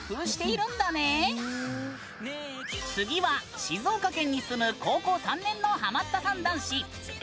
次は静岡県に住む高校３年のハマったさん男子。